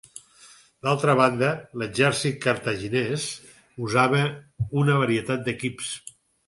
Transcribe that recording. D'altra banda, l'exèrcit cartaginès usava una varietat d'equips.